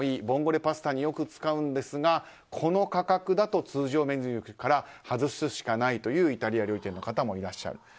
ボンゴレパスタによく使うんですがこの価格だと通常メニューから外すしかないというイタリア料理店の方もいらっしゃる。